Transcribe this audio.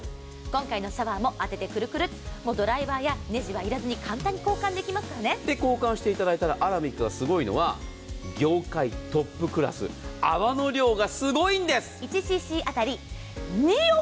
今回のシャワーも当ててクルクルドライバーやネジはいらず簡単に交換できますからそれで交換していただいたらアラミックがすごいのは業界トップクラス泡の量がすごいんです。